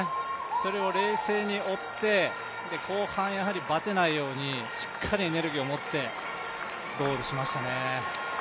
それを冷静に追って、後半バテないようにしっかりエネルギーを持ってゴールしましたね。